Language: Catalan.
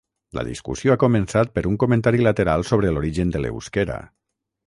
La discussió ha començat per un comentari lateral sobre l'origen de l'euskera.